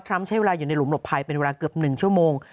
ใช้เวลาอยู่ในหุมหลบภัยเป็นเวลาเกือบ๑ชั่วโมง